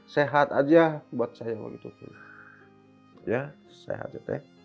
sehat aja buat saya begitu ya sehat ya